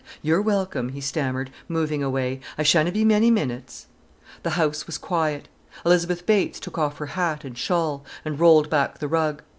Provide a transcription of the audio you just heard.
"You're welcome!" he stammered, moving away. "I shanna be many minnits." The house was quiet. Elizabeth Bates took off her hat and shawl, and rolled back the rug.